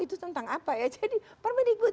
itu tentang apa ya jadi permendikbud